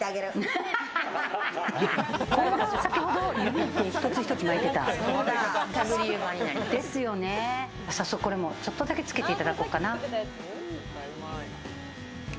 これが先ほど指で一つ一つ巻いていた、これもちょっとだけ付けて、いただこうかな。